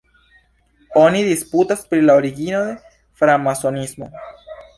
Oni disputas pri la origino de Framasonismo.